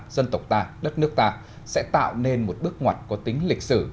dân tộc ta đất nước ta sẽ tạo nên một bước ngoặt có tính lịch sử